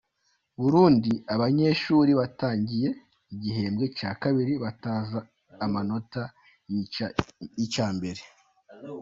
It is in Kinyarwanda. Burundi Abanyeshuri batangiye igihembwe cya kabiri batazi amanota y’icya mbere